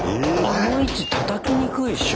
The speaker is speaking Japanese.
あの位置たたきにくいっしょ。